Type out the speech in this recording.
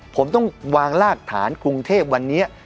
ผมต้องวางรากฐานกรุงเทพวันนี้